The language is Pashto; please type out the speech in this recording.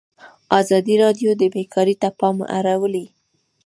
ازادي راډیو د بیکاري ته پام اړولی.